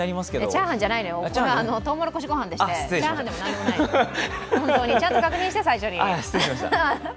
チャーハンじゃないのよ、とうもろこしごはんで、チャーハンでも何でもないのよ。ちゃんと確認して、最初に。